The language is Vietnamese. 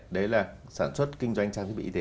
đấy là sản xuất kinh doanh trang thiết bị y tế